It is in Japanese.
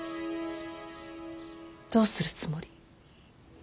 どうするつもり。